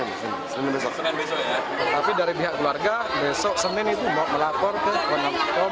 tapi dari pihak keluarga besok senin itu mau melapor ke komnas ham